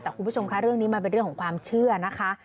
แต่คุณผู้ชมค่ะเรื่องนี้มันเป็นเรื่องของความเชื่อนะคะ